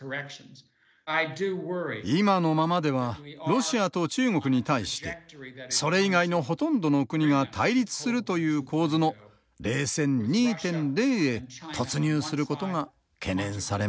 今のままではロシアと中国に対してそれ以外のほとんどの国が対立するという構図の冷戦２．０へ突入することが懸念されます。